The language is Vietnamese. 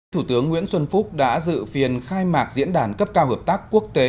thủ tướng nguyễn xuân phúc đã dự phiên khai mạc diễn đàn cấp cao hợp tác quốc tế